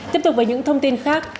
tiếp tục với những thông tin khác